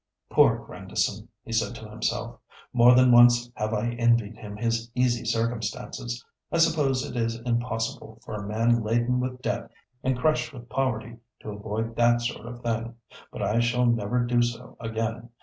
"Poor Grandison!" he said to himself. "More than once have I envied him his easy circumstances. I suppose it is impossible for a man laden with debt and crushed with poverty to avoid that sort of thing. But I shall never do so again.